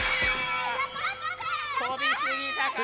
とびすぎたか？